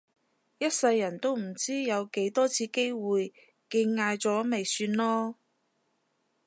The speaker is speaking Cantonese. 一世人都唔知有幾多次機會見嗌咗咪算囉